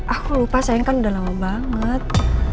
aku lupa sayang kan udah lama banget